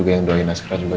yang doain askara juga